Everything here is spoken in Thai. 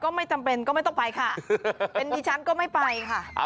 ไม่จำเป็นก็ไม่ต้องไปค่ะเป็นดิฉันก็ไม่ไปค่ะ